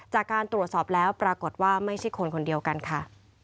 จากการตรวจสอบแล้วปรากฏว่าไม่ใช่คนคนเดียวกันค่ะ